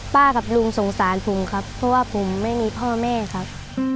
กับลุงสงสารผมครับเพราะว่าผมไม่มีพ่อแม่ครับ